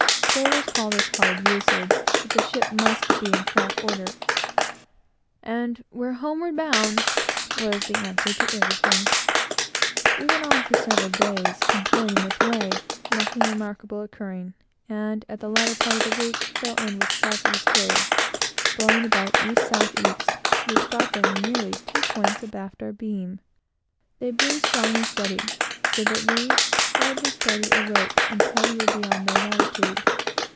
Sailors call this hard usage; but the ship must be in crack order, and "we're homeward bound" was the answer to everything. We went on for several days, employed in this way, nothing remarkable occurring; and, at the latter part of the week, fell in with the south east trades, blowing about east south east, which brought them nearly two points abaft our beam. These blew strong and steady, so that we hardly started a rope, until we were beyond their latitude.